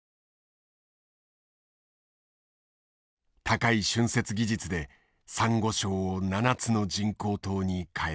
高い浚渫技術でサンゴ礁を７つの人工島に変えた。